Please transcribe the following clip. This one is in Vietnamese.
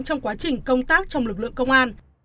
trong quá trình công tác trong lực lượng công an